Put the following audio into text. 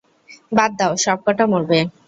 বাদ দাও, সবকটা মরবে!